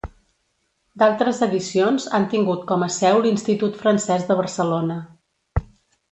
D'altres edicions han tingut com a seu l'Institut Francès de Barcelona.